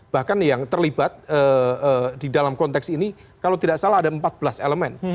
bahkan yang terlibat di dalam konteks ini kalau tidak salah ada empat belas elemen